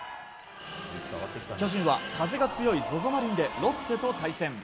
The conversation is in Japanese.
巨人は風が強いＺＯＺＯマリンでロッテと対戦。